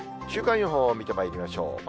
週間予報を見てまいりましょう。